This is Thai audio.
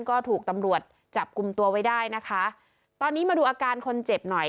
ก็ถูกตำรวจจับกลุ่มตัวไว้ได้นะคะตอนนี้มาดูอาการคนเจ็บหน่อย